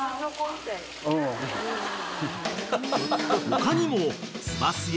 ［他にも］